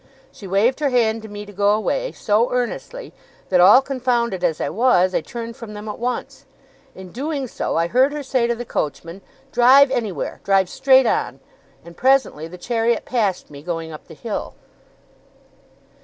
She waved her hand to me to go away, so earnestly, that, all confounded as I was, I turned from them at once. In doing so, I heard her say to the coachman, 'Drive anywhere! Drive straight on!' and presently the chariot passed me, going up the hill.